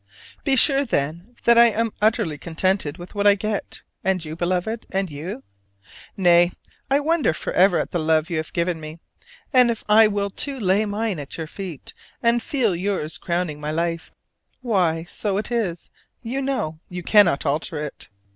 Be sure, then, that I am utterly contented with what I get (and you, Beloved, and you?): nay, I wonder forever at the love you have given me: and if I will to lay mine at your feet, and feel yours crowning my life, why, so it is, you know; you cannot alter it!